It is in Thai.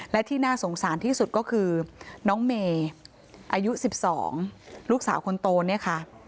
และที่น่าสงสารที่สุดก็คือน้องเมย์อายุ๑๒ลูกสาวคนโตเนี่ยค่ะ